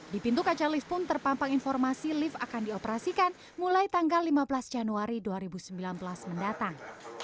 di pintu kaca lift pun terpampang informasi lift akan dioperasikan mulai tanggal lima belas januari dua ribu sembilan belas mendatang